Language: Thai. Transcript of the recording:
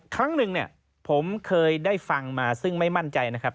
ครั้งหนึ่งเนี่ยผมเคยได้ฟังมาซึ่งไม่มั่นใจนะครับ